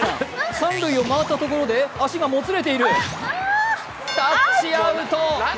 三塁を回ったところで足がもつれている、タッチアウト。